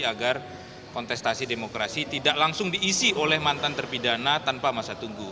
agar kontestasi demokrasi tidak langsung diisi oleh mantan terpidana tanpa masa tunggu